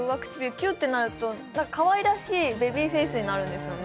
キュッとなるとかわいらしいベビーフェイスになるんですよね